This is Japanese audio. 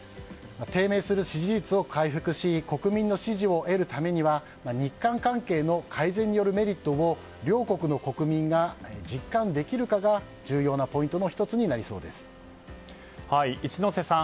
低迷する支持率を回復し国民の支持を得るためには日韓関係の改善によるメリットを両国の国民が実感できるかが重要なポイントの１つに一之瀬さん